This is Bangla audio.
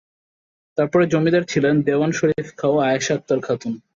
তারপরে জমিদার ছিলেন দেওয়ান শরীফ খা ও আয়শা আক্তার খাতুন।